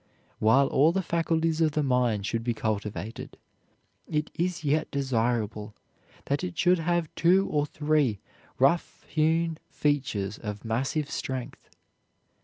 While all the faculties of the mind should be cultivated, it is yet desirable that it should have two or three rough hewn features of massive strength.